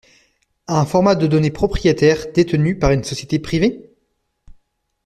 à un format de données 'propriétaire' détenu par une société privée?